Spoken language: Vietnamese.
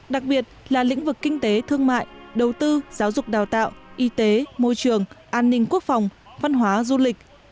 đặc biệt là lĩnh vực kinh tế thương mại đầu tư giáo dục đào tạo y tế môi trường an ninh quốc phòng văn hóa du lịch